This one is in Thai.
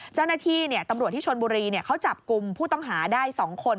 เจ้าหน้าที่ตำรวจที่ชนบุรีเขาจับกลุ่มผู้ต้องหาได้๒คน